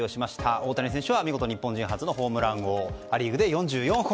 大谷選手は見事、日本人初のホームラン王。ア・リーグで４４本。